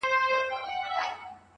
o زړه مي را خوري.